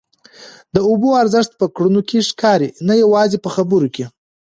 د اوبو ارزښت په کړنو کي ښکاري نه یوازي په خبرو کي.